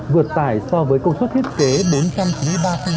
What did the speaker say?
vượt tải so với công suất thiết kế đối tượng